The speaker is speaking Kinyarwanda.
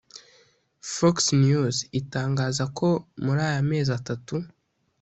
Fox News itangaza ko muri aya mezi atatu